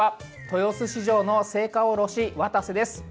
豊洲市場の青果卸、渡瀬です。